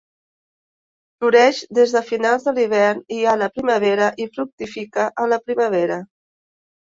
Floreix des de finals de l'hivern i a la primavera i fructifica a la primavera.